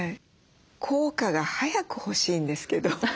効果が早く欲しいんですけど。